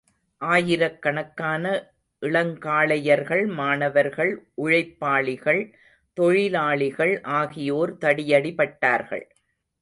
ஆயிரக்கணக்கான இளங்காளையர்கள், மாணவர்கள், உழைப்பாளிகள், தொழிலாளிகள் ஆகியோர் தடியடிபட்டார்கள்.